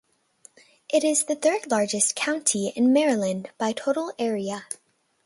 It is the third-largest county in Maryland by total area.